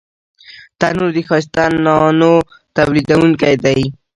تنور د ښایسته نانو تولیدوونکی دی